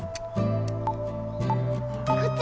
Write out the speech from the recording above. こっち！